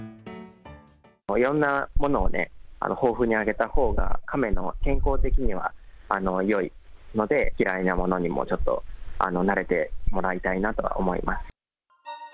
いろんなものを豊富にあげたほうが、カメの健康的にはよいので、嫌いなものにもちょっと慣れてもらいたいなとは思います。